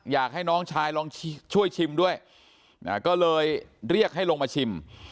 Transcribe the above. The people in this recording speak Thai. อยากให้น้องชายลองช่วยชิมด้วยก็เลยเรียกให้ลงมาชิม